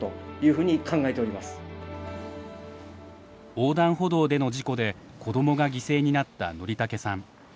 横断歩道での事故で子どもが犠牲になった則竹さん。